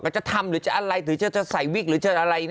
จะทำหรือจะอะไรหรือจะใส่วิกหรือจะอะไร